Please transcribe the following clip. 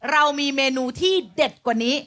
เรามีเมนูที่เด็ดกว่านี้